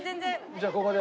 じゃあここで。